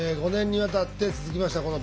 ５年にわたって続きました